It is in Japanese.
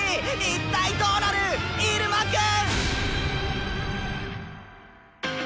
一体どうなる⁉イルマくん！